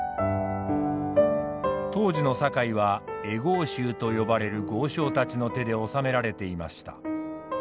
当時の堺は会合衆と呼ばれる豪商たちの手で治められていました。